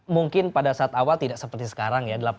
mungkin pada saat awal tidak seperti sekarang ya